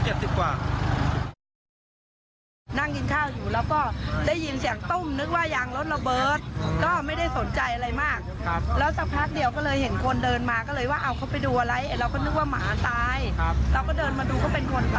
เราก็นึกว่าหมาตายเราก็เดินมาดูก็เป็นคนตายนั่นแหละ